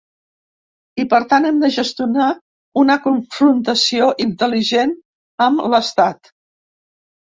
I per tant, hem de gestionar una confrontació intel·ligent amb l’estat.